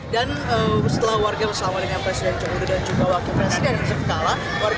dan setelah warga bersalaman dengan presiden